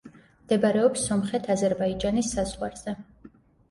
მდებარეობს სომხეთ-აზერბაიჯანის საზღვარზე.